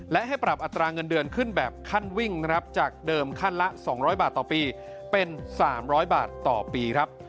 และให้ปรับอัตราเงินเดือนขึ้นแบบขั้นวิ่งนะครับจากเดิมขั้นละ๒๐๐บาทต่อปีเป็น๓๐๐บาทต่อปีครับ